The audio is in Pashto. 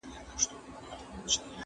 ايا ته موسيقي اورې